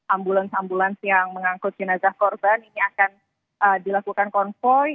ambulans ambulans yang mengangkut jenazah korban ini akan dilakukan konvoy